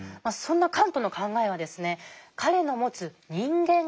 そんなカントの考えは彼の持つ人間